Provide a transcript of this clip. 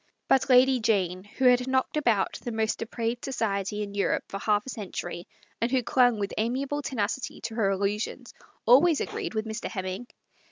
But Lady Jane, who had knocked about the most depraved society in Europe for half a cen tury, and who clung with amiable tenacity to her illusions, always agreed with Mr. Hem ming.